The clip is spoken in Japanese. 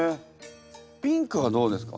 ピンクはどうですか？